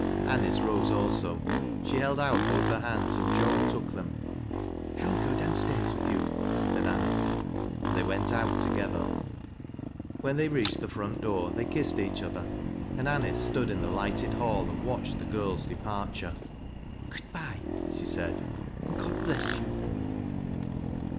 Anice rose also. She held out both her hands, and loan took them. " I will go down stairs with you," said Anice ; and they went out together. When they reached the front door, they kissed each other, and Anice stood in the lighted hall and wfttched the girl's departure. " Good bye !" she said ;" and God bless you